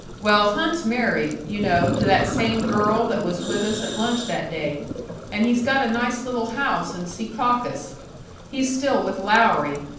Well, Hunt's married you know, to that same girl that was with us at lunch that day and he's got a nice little house in Secaucus. He's still with Lowry.